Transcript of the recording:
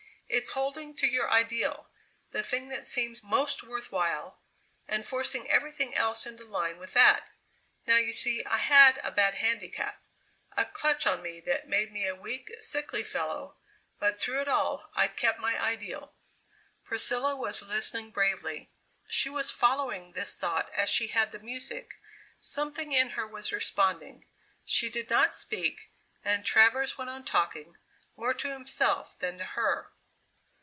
It's holding to your ideal, the thing that seems most worth while, and forcing everything else into line with that. Now, you see I had a bad handicap a clutch on me that made me a weak, sickly fellow, but through it all I kept my ideal." Priscilla was listening bravely. She was following this thought as she had the music; something in her was responding. She did not speak, and Travers went on talking, more to himself than to her.